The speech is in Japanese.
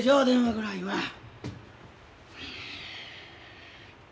電話ぐらいは。